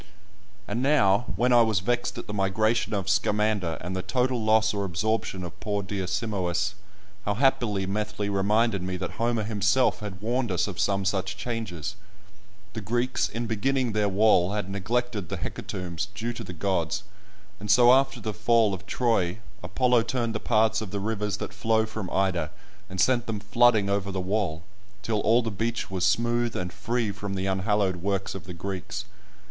And now, when I was vexed at the migration of Scamander, and the total loss or absorption of poor dear Simois, how happily Methley reminded me that Homer himself had warned us of some such changes! The Greeks in beginning their wall had neglected the hecatombs due to the gods, and so after the fall of Troy Apollo turned the paths of the rivers that flow from Ida and sent them flooding over the wall, till all the beach was smooth and free from the unhallowed works of the Greeks.